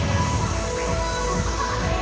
ขอบคุณครับ